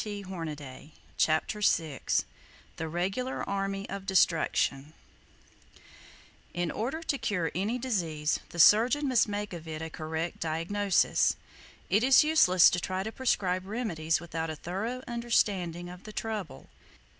[Page 53] CHAPTER VI THE REGULAR ARMY OF DESTRUCTION In order to cure any disease, the surgeon must make of it a correct diagnosis. It is useless to try to prescribe remedies without a thorough understanding of the trouble.